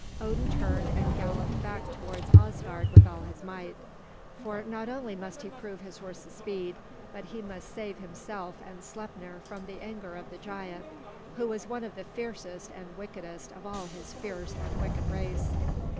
Odin turned and galloped back towards Asgard with all his might; for not only must he prove his horse's speed, but he must save himself and Sleipnir from the anger of the giant, who was one of the fiercest and wickedest of all his fierce and wicked race.